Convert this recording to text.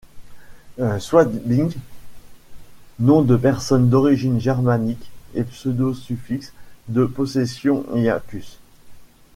Swabinc, nom de personne d’origine germanique, et pseudo-suffixe de possession iacus.